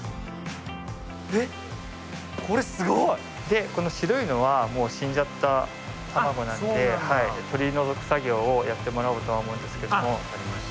えっこれすごい！この白いのはもう死んじゃった卵なので取り除く作業をやってもらおうと思うんですけども。